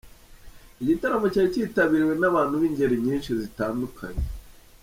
Igitaramo cyari kitabiriwe n'abantu b'ingeri nyinshi zitandukanye.